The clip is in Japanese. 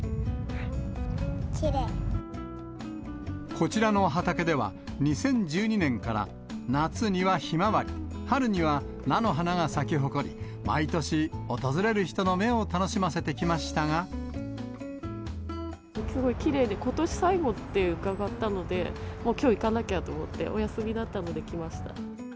こちらの畑では、２０１２年から、夏にはひまわり、春には菜の花が咲き誇り、毎年、訪れる人の目を楽しませてきましすごいきれいで、ことし最後って伺ったので、もうきょう行かなきゃと思って、お休みだったので来ました。